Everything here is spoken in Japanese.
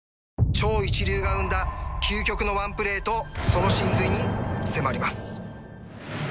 超一流が生んだ究極のワンプレーとその神髄に迫ります。